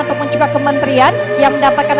ataupun juga kementerian yang mendapatkan